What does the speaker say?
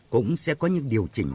cũng sẽ có những điều chỉnh